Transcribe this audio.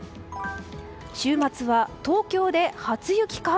週末は東京で初雪か？